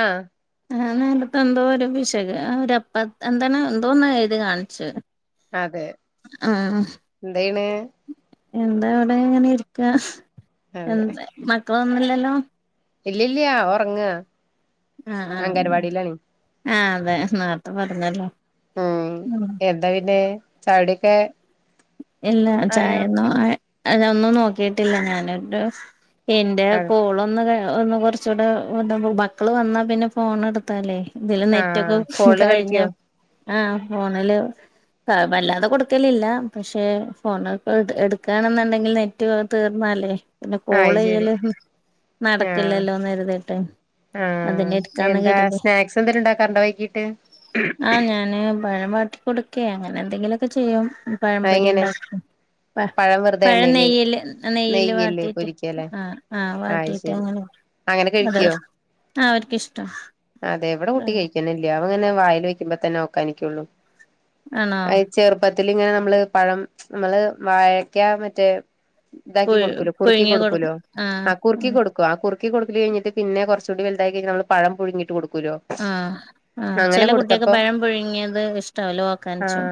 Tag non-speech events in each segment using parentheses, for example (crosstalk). ആഹ്. ആ നേരത്തെ എന്തോ ഒരു പിശക് ആ അപ്പ എന്താണ് എന്തോ ഒന്ന് എഴുതി കാണിച്ചു. അതെ ആ എന്തെയ്യണ്? എന്താ അവിടെ ഇങ്ങനെ ഇരിക്ക എന്ത മക്കളൊന്നില്ലല്ലോ? ഇല്ലില്ലയ അവൻ ഉറങ്ങ അങ്കനവാടിയിലാണ്. ആഹ് അതെ നേരത്തെ പറഞ്ഞല്ലോ. ഉം എന്താ പിന്നെ ചായ കുടിയൊക്കെ ഇല്ല ചായൊന്നും അതൊന്നും നോക്കിട്ടില്ല ഞാനൊട്ട് എന്റെ ആഹ് കോള് ഒന്ന് ഒന്ന് കുറച്ചൂടെ ഉണ്ട് മക്കള് വന്നാ പിന്നെ ഫോൺ എടുത്താലേ ഇതില് നെറ്റൊക്കെ ആഹ് ഫോണില് കഴിഞ്ഞ കളിക്കോ ആഹ് ഫോണില് വല്ലാതെ കൊടുക്കലില്ല. പക്ഷെ ഫോണൊക്കെ എ എടുക്കാണെന്നുണ്ടെങ്കിൽ നെറ്റ് തീർന്നല്ലേ. പിന്നെ ആഹ് അത് കോള് ശരി ചെയ്യല് ആഹ് നടക്കില്ലല്ലോന്ന് കരുതീട്ട്. ആഹ് എന്താ സ്നാക്സ് എന്തേലും ഇണ്ടാകാറുണ്ടോ വൈകീട്ട്. ആ ഞാന് പഴം വാട്ടി കൊടുക്കേ അങ്ങനെ എന്തെങ്കിലുമൊക്കെ ചെയ്യും പഴംപൊരി അതെങ്ങനെ ഉണ്ടാ പ പഴം വെറുതെ പഴം എണ്ണേല് നെയ്യില് നെയ്യില് വാട്ടീയിട്ട് ആഹ് ആഹ് അത് വാട്ടീയിട്ട് ശരി അങ്ങനെ അങ്ങനെ കഴിക്കോ? ആഹ് അവർക്കിഷ്ട്ട. അതെ ഇവിടെ കുട്ടി കഴിക്കണില്ല അവ അങ്ങനെ വായല് വെയ്ക്കുമ്പോ തന്നെ ഓക്കാനിക്കുള്ളൂ. ആണോ അത് ചെറുപ്പത്തിൽ ഇങ്ങനെ നമ്മള് പഴം നമ്മള് വാഴക്ക മറ്റേ ഇതാക്കി പുഴു കൊടുക്കൂല്ലോ കുറുക്കി പുഴുങ്ങി കൊടുക്ക കൊടുക്കലോ ആ ആഹ് കുറിക്കി കൊടുക്കോ ആ കുറ് കുറുക്കി കൊടുക്കല് കഴിഞ്ഞിട്ട് പിന്നെ കുറച്ച് കൂടി വലുതായി കഴിഞ്ഞ നമ്മള് പഴം പുഴുങ്ങി ആഹ് ആഹ് ചെല കുട്ട്യക്ക് കൊടുത്തപ്പോ പഴം പുഴുങ്ങിയത് ഇഷ്ടാവൂല ഓക്കാനിച്ചും.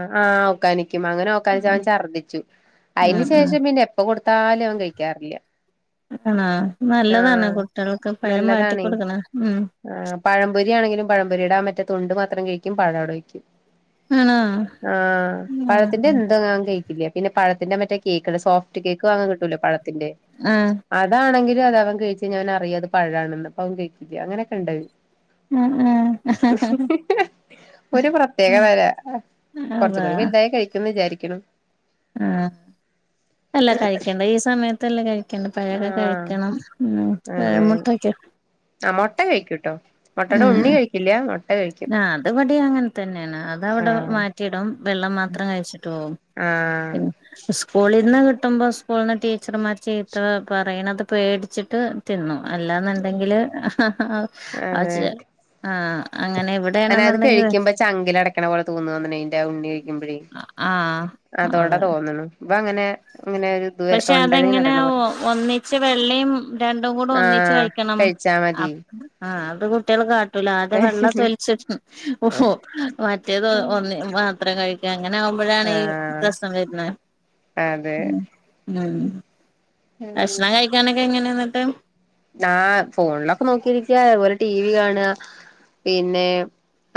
ഓകാനിക്യും അങ്ങനെ ഓകാനിച്ച ഉം ഛദ്ദിച്ചു അയിന് ഉം ശേഷം പിന്നെ എപ്പൊ കൊടു ഫാലും. അവൻ കെയിക്യറില്ല.. ആഹ് നല്ലതാണ്. കുട്ട്യോൾക്ക്. പഴം വാട്ടിക്കൊടുക്കണ. ഉം.. പഴമ്പൊരിയാണെങ്കിലും പഴംമ്പൊരിയുടെ ആ മറ്റേ തൊണ്ട് മാത്രം കഴിക്കും പഴവടെ വെക്യും ആണോ ആഹ് പഴത്തിന്റെ എന്ത് കഴിക്കില്ലെ പിന്നെ പഴത്തിന്റെ മറ്റേ കേക്ക്. Soft cake. വാങ്ങാകിട്ടുല്ലോ. പഴത്തിന്റെ ആഹ് അതാണെങ്കി അതഅവൻ കെഴിച്ഞ്ഞ അവനറിയാം ഇത് പഴാണെന്ന് പ്പ അവും കഴിചക്കാ അങ്ങനെക്ക്‌ണ്ട് ആഹ് ആ... (inaudible) ഒരു പ്രത്യേകതര കൊറചുകൂടി വല്തായ കഴിക്കുന്ന് വിചാരിക്കുന്നു ആഹാ അല്ല കഴിക്കണ്ട ഈ സമയത്ത്ല്ല കഴി കെണം. പഴക്കെ ആഹ് കഴിക്കണ ഉം പഴമുട്ടൊക്കെ ആഹാ മൊട്ട കഴിക്കൂട്ടോ മൊട്ടയുടെ ഉണ്ണി ഉം കഴിക്കില്ല മൊ ആഹ് അത് വിടിം അങ്ങൻതന്നെണ്. അത അവടെ ആഹ് മാറ്റിടും. വെള്ളം മാത്രം. കഴിച്ചിട്ട് പോവും. ആഹ സ്കൂളിൽന്ന് കിട്ടുമ്പോൾ സ്കൂള്ന്ന് ടീച്ചർമാര് ചീത്ത പറയണത് പേടിച്ചിട്ട് തിന്നും അല്ലാന്നുണ്ടെങ്കില് ആഹാ ആ ച് ആ അല്ല അത് കഴിക്കുമ്പോ ചങ്കില ടക്കണ പോലെ തോന്നന്ന് ഉണ്ണി കഴിക്കുമ്പഴേ ആഹ് അതോടെ തോന്നണ്. ഇബ അങ്ങനെ ഇങ്ങനെ ഒരു ഇത് പഷേ തൊണ്ടേല് ഇങ്ങനെ അടയണ പോലെ അതെങ്ങനെവൊ ഒന്നിച്ച് വെള്ളം രണ്ടു കൂടെ ഒന്നിച്ച് ആഹ് കഴിക്കണം കഴിച്ചാ മതി ആപ്പ് ആഹാ അത് കുട്ട്യോൾ കാട്ടൂല. ആദ്യം വെള്ള കഴിച്ചില്ല തൊലിച്ചി. ഓ മറ്റേത് ഓ ഒന്നി വ ത്രം കഴിക്ക. അങ്ങനെ ആവുമ്പോഴാണ്. ഈ ആഹ് പ്രശ്നം വരുന്നേ അതെ ഉം. കഷ്ണ കഴിക്കാനൊക്കെ. എങ്ങനെയന്നിട്ട്? ആഹാ ഫോണിലൊക്കെ നോക്കിരിക്ക അതുപോലെ ടി വി കാണാ പിന്നെ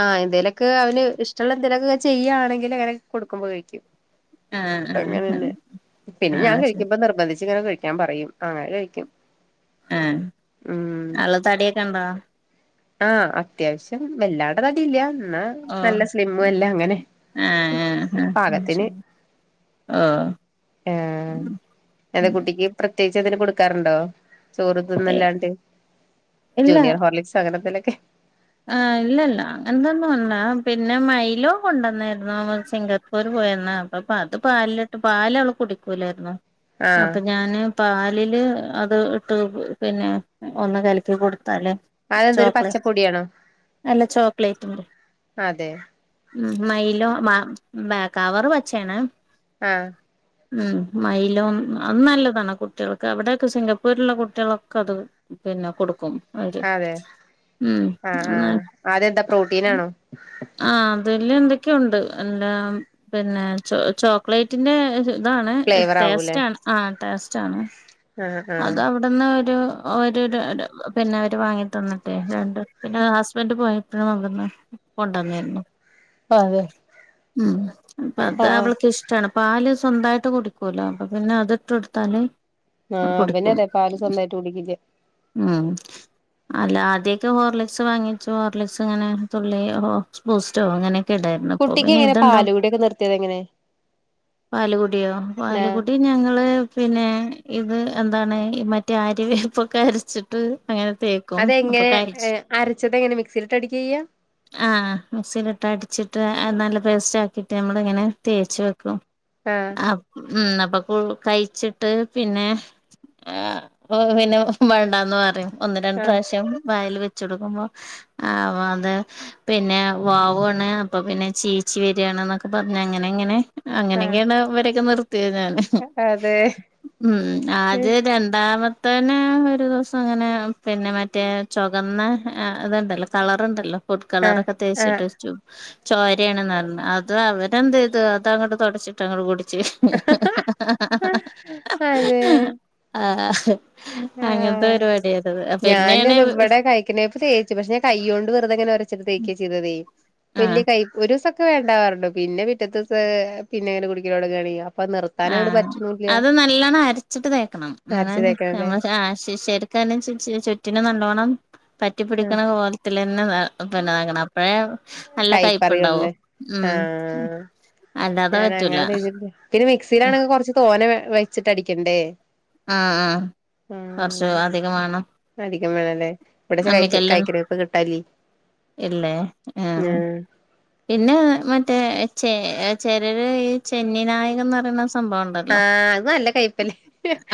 ആഹാ എന്തേലൊക്ക അവന്ഷ്ടള്ള ന്തലൊക്കെ ചെയാണെങ്കിൽ അങ്ങനെ കൊടുക്കുമ്പോ കഴിക്കും ആഹ് ആഹ് ആഹ് അങ്ങനന്നെ പിന്നെ ഞാൻ ആഹ് ശരി കഴിക്കുബോ നിർബന്ധിച്ച് ഇങ്ങനെ കഴി ഞാൻ പറയും അങ്ങനെ കഴിക്കും ആഹ്. ആള്ള തടിയൊക്കെണ്ടോ.? ആഹാ അത്യാവശ്യം വല്ലാണ്ടേ തടിയില്ല ഇന്നാ ഓ നല്ല സ്ലിം അല്ല അങ്ങനെ ആഹ് ആഹ് ആഹ് പാകത്തിന് ശരി ഓ ഏഹാ എന്തേ കുട്ടിക്ക് പ്ര പ്രത്യേച്ച് എന്തേലും കൊടുക്കാറുണ്ടോ ചോറു ഇതൊന്നല്ലാണ്ട് ജൂനിയർ ഹോർളിക്സ് വേറെന്തേലൊക്കെ ആഹാ ഇല്ലല്ല അങ്ങനെന്നുംല്ല പിന്നെ മൈലോ കൊണ്ടുവന്നിരുന്നു. സിംഗപ്പൂർ പോ പോയന്നു. അപ്പൊ അത് പാല്ട്ട് പാല്. അവള് കുടിക്കൂലാരുന്നു.. ആ അപ്പൊ ഞാന് പാലില്. അത് ഇട്ട് പിന്നെ ഒന്ന് കലക്കി കൊടു നല്ല അതെന്തൊരു ചോക്കളെ പച്ചപ്പൊടിയാണോ അല്ല ചോക്ലേറ്റ്മ്മ് അതെ ഉം മയിലോ മാ ബേക്കവറ് വെച്ചേണ്.. ആഹ് ഉം മൈലോം അത് നല്ലതാണ്. കുട്ട്യോൾക്ക് അവിടെക്കെ സിംഗപ്പൂരിള്ള കുട്ട്യളൊക്കെ. അത്.. പിന്നെ കൊടുക്കും. അവര് അതെ ഉം ആഹ്. ആ. ആതെന്താ. പ്രോട്ടീനാണോ? ആഹ് അതില് എന്തെക്കെണ്ട് എല്ലാം പിന്നെ ച്ചോ ചോക്ലേറ്റിന്റെ താണ് ഇഫ് ഫ്ലേവർ ആവൂലേ ടേസ്റ്റാണ് ആ ടേസ്റ്റ്ണ് ആഹ് ആഹ് അതവടന്ന് രൊഓരോരോരോ പിന്നവര് വാങ്ങി തന്ന്ട്ടെ (unintelligible) പിന്ന ഹസ്ബന്റ് പോയപ്പഴും അവിടന്ന് കൊണ്ടന്നിരുന്നു അതെ ഉം ആഹ് ആഹ് പ്പതവൾക്ക്ഷ്ടാണ് പാല് സ് സ്വന്തമായിട്ട് കുടിക്കൂലോ അപ്പൊ പിന്നെ അതിട്ട് കൊടുത്താല് ആഹ് ഇവന് കുടിക്കും അതെ പാല് സ്വന്തമായിട്ട് കുടിക്കില്ല ഉം അല്ല അദേ ഹോർലിക്സ് വാങ്ങിച്ചു ഹോർലിക്സ് ഇങ്ങനെ തുള്ളി ബൂസ്റ്റോ അങ്ങനെ ഒക്കെ ഇടായിരുന്നു ഇപ്പൊ കുട്ടിക്ക് പിന്നെ എങ്ങനെ ഇതുണ്ടാ പാല് കുടിയൊക്കെ നിർത്തിയത് എങ്ങനെ പാലുകുടിയോ നാ പാലുംകുടി ഞങ്ങള് പിന്നെ ഇത് എന്താണ് മറ്റേ അര്യവോപ്പൊക്കെ അരച്ചിട്ട് അങ്ങനെ തേക്കും അപ്പൊ അതെങ്ങനെ അരച്ചത് എങ്ങനെ മിക്സിയിലിട്ട് അടിക്ക ചെയ്യാ ആഹ് മിക്സീൽ ഇട്ട് അടിച്ചിട്ട് അത് നല്ല പേസ്റ്റ് ആക്കിയിട്ട് നമ്മളിങ്ങനെ തേച്ച് വെക്കും ആഹ് ഉം അ അപ്പോ കഴിച്ചിട്ട് പിന്നെ ആ പിന്നെ വേണ്ടാന്ന് പറയും ഒന്ന് രണ്ട് ആഹ് പ്രാവശ്യം വായിൽ വെച്ചു കൊടുക്കുമ്പോ ആ അത് പിന്നെ ചീച്ചി ച്ച് വരികയാണ് എന്നൊക്കെ പറഞ്ഞ് അങ്ങനെങ്ങനെ ആഹ് അങ്ങനെയൊക്കെയാണ് ഇവരൊക്കെ നിർ നിർത്തിനയ് അതെ ഉം ആദ്യം രണ്ടാമ തന്നെ ഒരു ദിവസം അങ്ങനെ പിന്നെ മറ്റേ ചുകന്ന ഇതുണ്ടല്ലോ കളറുണ്ടല്ലോ ഫുഡ് കളറ് ആഹ് ഒക്കെ ആഹ് തേച്ചിട്ട് വച്ചു ചോരയാണെന്ന് പറഞ്ഞ് അത് അവരെന്ത് ചെയ്തു അത് അങ്ങോട്ട് തൊടച്ചിട്ട് അങ്ങോട്ട് കുടി ച്ച് അതെ ആഹ് അങ്ങനത്തെ പരിപാടിയായിരുന്നു പിന്നെയാണേ അതാ കയിക്കുന്നേ ഇപ്പം തേച്ച് പക്ഷെ കൈ കൊണ്ട് വെറുതെ ഇങ്ങനെ ഒരച്ചിട്ട് തേക്കുവാ ചെയ്തതേ ആഹ് വല്യ കയിപ്പ് ഒരു ഒരുസം ഒക്കെ വേണ്ടാവാറുണ്ട് പിന്നെ പിറ്റേ ദിവസം പിന്നെ കുടിക്കാൽ തെടുങ്ങാണേയ് ആഹ് അത് നല്ലോണ്ണം അരച്ചിട്ട് തേക്കണം അരച്ച് ഇന്നാലാണ് തേക്കണല്ലേ ഞമ്മളെ ചായ (unintelligible) ചുറ്റിനും നല്ലോണം ആഹ് പറ്റിപിടിക്കണ പോലത്തില് തന്നെ തന്നാക്കണം. അപ്പഴേ നല്ല കയ്പ്പുണ്ടാവൂ കൈപ്പറിയുള്ളേ ഉം ആഹ് അല്ലാതെ പറ്റൂല ഞാനങ്ങനെ തേച്ചിട്ട് പിന്നെ മിക്സിയിലാണെങ്കി കൊറച്ച് തോനെ വെച്ചിട്ട് അടിക്കണ്ടേ? ആഹ് ആഹ് കൊറച്ചു ആഹ് അധികം വേണം. അധികം വേണല്ലേ ഇവിടെച്ചാ കൈ അമ്മിക്കല്ല് കൈക്കനേപ്പ് കിട്ടാല്ലേ ഇല്ലേ? ആഹ് പിന്നെ മറ്റേ ചെ ചെലര് ഈ ചെന്നിനായകംന്ന് പറയുന്ന സ് സംഭവം ഒണ്ടല്ലോ? ആഹ് അത് നല്ല കയ്പ്പല്ലേ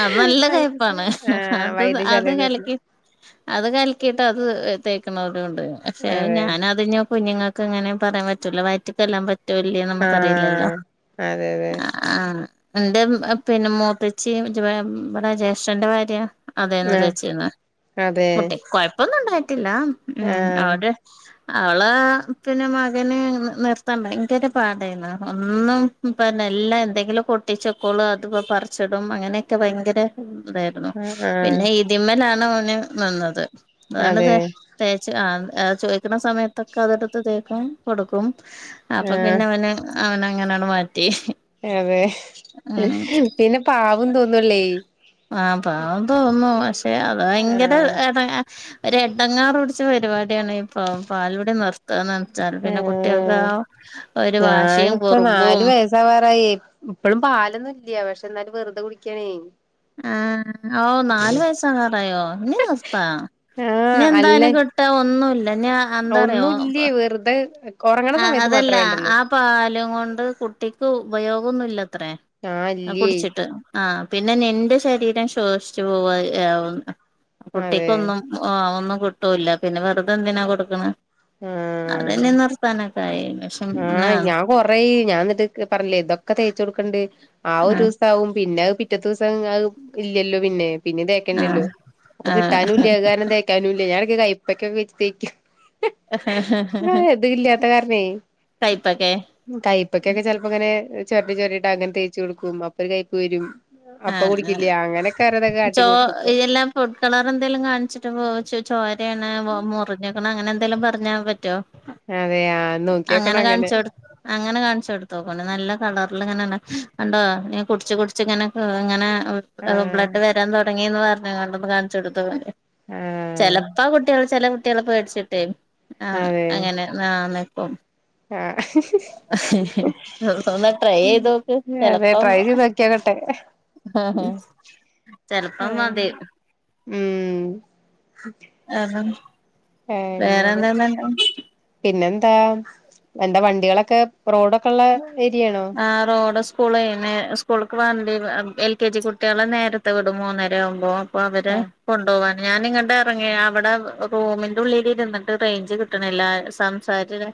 അത് നല്ല വൈദ്യശാല കയ്പ്പാണ്. ആഹ് അത് അത് വൈദ്യശാലേന്ന് വരുന്നെ കലക്കി അത് കലക്കീട്ട് അത് തേക്കണോരും ഉണ്ട്. പക്ഷെ അതെ ഞാൻ അതിനു കുഞ്ഞുങ്ങക്കങ്ങനെ പറയാൻ പറ്റൂല. വയറ്റക്കെല്ലാം പറ്റൂ ഇല്ലിയോ എന്ന് നമുക്കറിയില്ലല്ലോ ആഹ് അതെ അതെ ആഹ് എന്റെ പിന്നെ മൂത്തേച്ചി ജ് ഇവിടെ ജ്യേഷ്ഠന്റെ ഭാര്യ അതന്നാ ആഹ് തേച്ചിന്നേ. അതെ കുട്ടി കുഴപ്പൊന്നും ഉണ്ടാ യിട്ടില്ല. ഉം ആഹ് അവടെ അവള് പിന്നെ മ ഇവന് നി നിർത്താൻ ഭയങ്കര പാടാരുന്നു. ഒന്നും പിന്നെ എല്ലാം എന്തെങ്കിലും ഒക്കെ ഒട്ടിച്ചു (unintelligible) (unintelligible) പറിച്ചിടും. അങ്ങനെയൊക്കെ ഭയങ്കര ഇതാരുന്നു. ആഹ് പിന്നെ ഇതിമ്മേലാണ് ഓന് നിന്നത്. അതെ (unintelligible) തേച്ചു ആഹ് ചോയിക്കണ സമയത്തൊക്കെ അതെടുത്ത് തേക്കും, കൊടുക്കും. അപ്പൊ ആഹ് പിന്നെ അവന് അവനെ അങ്ങനെയങ്ങട് മാ അതെ, ഉം പിന്നെ പാവം തോന്നൂല്ലേ? ആഹ് പാവം തോന്നും. പക്ഷെ അത് ഭയങ്കര ആഹ് എട ഒരു എടങ്ങാറ് പിടിച്ച പരിപാടിയാണ് ഈ പ പാലുകുടി നിർത്തുകാന്ന് വെച്ചാല്. പിന്നെ കുട്ടികൾക്ക് ഉം ആ ഒരു വാശിയും ഞാനിപ്പം നാല് കുറുമ്പും വയസാവാറായി. ഇപ്പളും പാലൊന്നും ഇല്ല്യ. പക്ഷെ എന്നാലും വെറുതെ കുടിക്കാണേ. ആഹ് ഓഹ് നാല് വയസാകാറായോ? ഇനി നിർത്താം. ആഹ് ഇനിയെന്താ അല്ല അയിന് കിട്ടാൻ ഒന്നൂല്ല. ഇനി എന്താ അറിയോ? ഒന്നുല്ലേ വെറുതെ ഒറങ്ങണ ആ സമയത്ത് അതല്ല മാത്രേ വേണ്ടുള്ളൂ ആ പാലും കൊണ്ട് കുട്ടിക്ക് ഉപയോഗൊന്നുല്ല അത്രയേ ആഹ് അത് ഇല്ലേ കുടിച്ചിട്ട് ആ- പിന്നെ നിന്റെ ശരീരം ശോഷിച്ച് പോവും അയ് അതെ കുട്ടിക്കൊന്നും ഒന്നും- കിട്ടൂല്ലാ പിന്നെ വെറുതെന്തിനാ കൊടുക്ക്ണെ അത് തന്നെ എന്ന് പറഞ് - ആ ഞാൻ കൊറേ ഞാൻ എന്നിട്ട് പറഞ്ഞില്ലേ ഇതൊക്കെ തേച്ച് കൊടുക്കണ്ട് ആ ഒരു ദിവസവാവും പിന്നെ അത് പിറ്റെ ദിവസം ഇല്ലല്ലോ പിന്നെ പിന്നെ തേക്കണില്ലല്ലോ ആ ഇപ്പൊ ആ കിട്ടാനും ഇല്ല അത് കാരണം തേക്കാനും ഇല്ല ഞാനോക്കെ കൈപ്പക്കാ ഒക്കെ വെച്ച് തേക്കും - ഹ് ഹിഹി ആ ഇത് ഇല്ലാത്ത കാരണെ കൈപ്പൊക്കെ കയ്പ്പക്കൊക്കെ ചെലപ്പോ ഇങ്ങനെ- ചൊരണ്ടി ചൊരണ്ടീട്ട് അങ്ങനെ തേച്ചു കൊടുക്കും അപ്പൊ ഒര് കൈപ്പ് വരും ആ അപ്പ ആ കുടിക്കില്ല അങ്ങനെക്കെ- ചോ ഇതെല്ലാം ഫുഡ് കളർ എന്തെലും കാണിച്ചിട്ട് ചോരയാണ്- ആ മുറിഞ്ഞക്ക്ണ് അങ്ങനെ എന്തെലും പറഞ്ഞാ പറ്റോ അതെ ആഹ് അങ്ങനെ നോക്കിയോക്കണം കാണിച്ചടോ അങ്ങനെ കാണിച്ച് കൊടുത്തൊക്കൊണ്ട് നല്ല കളറിൽ ഇങ്ങനെ- കണ്ടോ നീ കുടിച്ച് കുടിച്ച് ഇങ്ങനെ ഇങ്ങനെ ആഹ് ബ്ലഡ് വരാൻ തുട- ങ്ങീന്ന് പറഞ്ഞിക്കാണ്ട് ഒന്ന് കാണിച്ചോട്തോക്ക് ആഹ് ചെലപ്പോ കുട്ടികൾ ചെല - കുട്ടികൾ പേടിച്ചിട്ടേ ആ അങ്ങനെ ന നിക്കും ആ ഹിഹി ഹിഹി ദിവസം ഒന്ന് ട്രൈ ചെയ്തോക്ക് അതെ ചെലപ്പം- ട്രൈ ചെയ്ത് നോക്കിയോക്കട്ടെ ഹ ഹ ചെല്പ്പം മതി ഉം ആഹാ ആ അങ്ങനെ പിന്നെ- എന്താ എന്താ വണ്ടികളൊക്കെ റോഡൊക്കെയുള്ളെ ആഹ് റോഡ സ് - സ്കൂളെ സ്കൂൾക്ക് വണ്ടി എൽ കെ ജി കുട്ടികളെ നേരത്തെ വിടും മൂന്നര ആവുമ്പോ പ്പൊ അവരെ ആഹ് കൊണ്ടോവാൻ ഞാനിങ്ങട്ട് ഇറങ്ങിയ അവിടെ റൂമിന്റെ ഉള്ളില് ഇരുന്നിട്ട് റേഞ്ച് കിട്ട്ണില്ല സംസാര്ത് ല്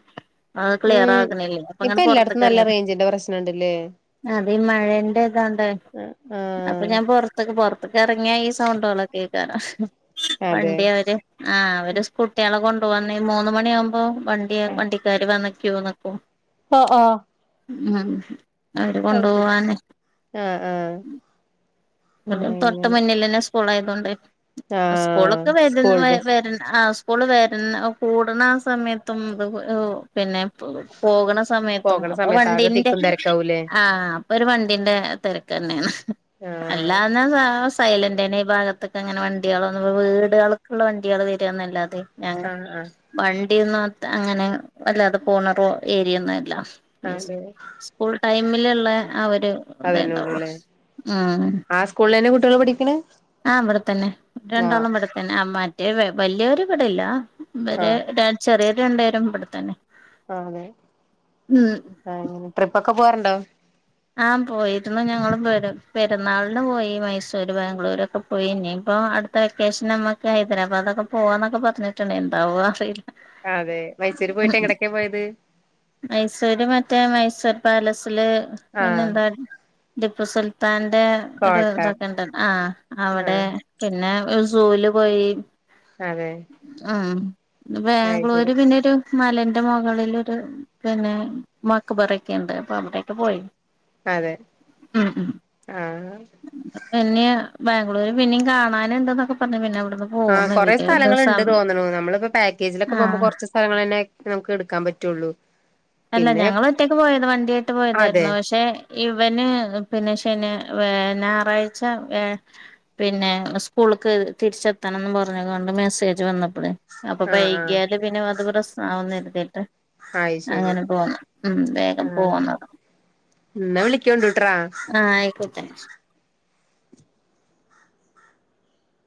അഹ് ക്ലിയർ ആക്ണില്ല. അപ്പൊ ങ്ങെട്ട് പൊർത്ത്ക്കെറങ്ങിയത ന്റെ പ്രശ്നം ണ്ട് ല്ലേ? അതീ മഴേന്റെ ഇതോണ്ട് ആഹ് അപ്പൊ ആഹ് ഞാൻ പൊർത്ക്ക് പൊർത്ക്ക് എറങ്ങിയാ ഈ സൗണ്ട് കളൊക്കെ അയ്ക്കാരം അതെ വണ്ടി അവര് ആഹ് അവര് സ്കൂൾട്ട്യാളെ കൊണ്ട് വന്ന് മൂന്ന് മണിയാഉമ്പോ വണ്ടി വണ്ടിക്കാര് വന്ന് ക്യു നിക്കും ആഹ് ആഹ് ഉം അവര് കൊണ്ടോവാന് ആഹ് ആഹ് വടെ തൊട്ട അങ്ങനെ മുന്നിലന്നെ സ്കൂൾ ആയതൊണ്ട് ആഹ് സ്കൂളൊക്കെ സ്കൂൾ വരുന്നവെ ബസ് വര്ണ ആഹ് സ് സ്കൂൾ വര്ണ ഒ കൂട്ണ ആഹ് സമയത്തും (unintelligible) പിന്നെ പോകണ സമയത്തും പോകണ അപ്പൊ സമയത്ത് ആകെ വണ്ടീന്റെ തിക്കും തിരക്കാവൂലേ ആഹ് ഒരു വണ്ടിന്റെ തിരക്കെന്നെണ് ആഹ് അല്ലാഞ്ഞ സാ സൈലന്റ്ന്നെ ഈ ഭാഗത്തൊക്കെ അങ്ങനെ വണ്ടികളന്നും വീടുകൾക്കുള്ള വണ്ടികൾ വരന്നല്ലാതെ ഞങ്ങ ആഹ് ആഹ് വണ്ടിയൊന്നും അത് അങ്ങനെ വല്ലാതെ പോണ റോ ഏരിയൊന്നും അല്ല ഇസ് അതെ സ്കൂൾ ടൈമിലുള്ള ആ ഒരു അതന്നെ ഇതെണ്ടാവുള്ളു ഉള്ളൂല്ലേ ആഹ് ആ സ്കൂൾളെന്നെ കുട്ടികള് പഠിക്ണേ? ആഹ് ഇവിടെത്തന്നെ രണ്ടാളും ഇവിടെ തന്നെ ആഹ് മറ്റേ വെ വല്യൊര് ഇവിട ല്ല വരെ ആഹ് ടെ ചെറിയോര് രണ്ടേരും ഇവിടെത്തന്നെ ആഹ് അതെ ഉം ആങ്ങനെ ട്രിപ്പൊക്കെ പോവാറുണ്ടോ? ആഹ് പോയിരുന്നു. ഞങ്ങള് പെരുന്നാളിന് പോയി മൈസൂര് ബാംഗ്ലൂരൊക്കെ പോയി. ഇനി ഇപ്പോ പൊ അടുത്ത വെക്കേഷൻ നമക്ക് ഹൈദരാബാദൊക്കെ പോവാന്നൊക്കെ പറഞ്ഞിട്ടുണ്ട് എന്താവൊ അറിയില്ല ആ അതെ മൈസൂര് പോയിട്ട് എങ്ങ്ടൊക്കെ പോയത് മൈസൂര് മറ്റേ മൈസൂർ പാലസില് ആഹ് പിന്നെന്താ ടിപ്പു സുൽത്താൻ ടെ ഒരു കോട്ട ഇതൊക്കെണ്ട് ആ അവടെ ആഹ് പിന്നെ സൂല് പോയി അതെ ആ ത് അത് ശരി ബാംഗ്ലൂര് പിന്നെരു മലന്റെ മുകളിലൊരു പിന്നെ മക്ക്ബറെക്കെണ്ട് അപ്പൊ അവിടെൊക്കെ പോയി അതെ ഉം ഉം ആ പിന്നെ ബാംഗ്ലൂര് പിന്നീം കാണാനുണ്ടെന്നൊക്കെ പറഞ്ഞു പിന്നെ അവ്ടെ ആ കൊറെേ സ്ഥലങ്ങളുണ്ട് തോന്നുണു നമ്മളിപ്പൊ പാക്കേജിലൊക്കെ പോകുമ്പോ ആഹ് കൊറച്ച് സ്ഥലങ്ങളെന്നെ നമുക്ക് ടുക്കാൻ പ റ്റുള്ളൂ അല്ല ഞങ്ങളൊറ്റക്ക് പോയത് വണ്ടിയേട്ട് അതെ പോയതായിരുന്നു പക്ഷെ ഇവന് പിന്നെ ഷ് പിന്നെ വേ ഞായറാഴ്ച ഏ പിന്നെ സ്കൂൾക്ക് തിരിച്ചെത്തണം ന്നും പ പ്പെ ഞങ്ങ വന്ന് മെസ്സേജ് വന്നപ്പളേ അപ്പൊ ആഹ് ആഹ് വൈകിയാല് പിന്നെ അത് പ്രസ്നാവുന്നരുതീട്ട് അത് ശരി അങ്ങനെ പോന്ന് ഉം വേഗം പോന്നത് ന്ന വിളിക്കോണ്ട് ട്രാ ചങ്‌സ്